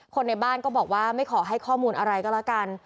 คนในบ้านก็บอกว่าไม่ขอให้ข้อมูลอะไรก็แล้วกัน